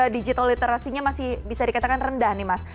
digital literasinya masih bisa dikatakan rendah nih mas